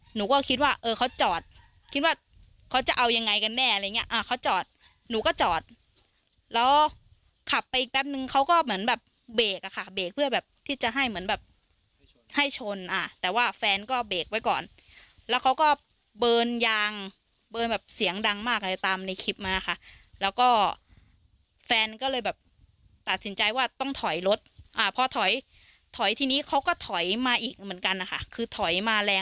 หนูก็คิดว่าเออเขาจอดคิดว่าเขาจะเอายังไงกันแน่อะไรอย่างเงี้ยอ่ะเขาจอดหนูก็จอดแล้วขับไปอีกแป๊บนึงเขาก็เหมือนแบบเบรกอ่ะค่ะเบรกเพื่อแบบที่จะให้เหมือนแบบให้ชนอ่ะแต่ว่าแฟนก็เบรกไว้ก่อนแล้วเขาก็เบิร์นยางเบิร์นแบบเสียงดังมากเลยตามในคลิปมาค่ะแล้วก็แฟนก็เลยแบบตัดสินใจว่าต้องถอย